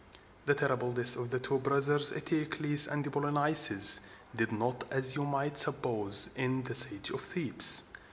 The terrible death of the two brothers Eteocles and Polynices did not, as you might suppose, end the siege of Thebes.